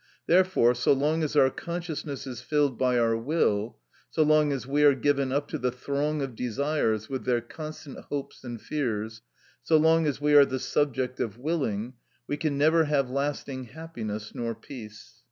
Therefore, so long as our consciousness is filled by our will, so long as we are given up to the throng of desires with their constant hopes and fears, so long as we are the subject of willing, we can never have lasting happiness nor peace.